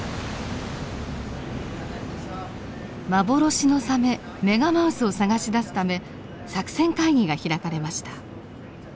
幻のサメメガマウスを探し出すため作戦会議が開かれました。